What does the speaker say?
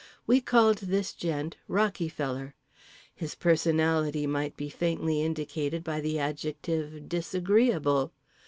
We called this gent Rockyfeller. His personality might be faintly indicated by the adjective Disagreeable.